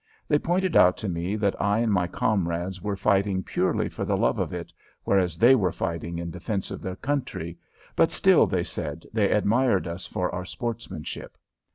They pointed out to me that I and my comrades were fighting purely for the love of it, whereas they were fighting in defense of their country, but still, they said, they admired us for our sportsmanship.